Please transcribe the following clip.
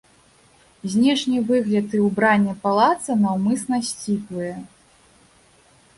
Знешні выгляд і ўбранне палаца наўмысна сціплыя.